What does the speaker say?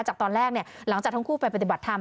จากตอนแรกหลังจากทั้งคู่ไปปฏิบัติธรรม